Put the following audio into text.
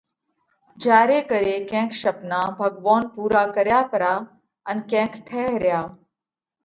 جيا ري ڪري ڪينڪ شپنا ڀڳوونَ پُورا ڪرياھ پرا ان ڪينڪ ٿئھ ريا۔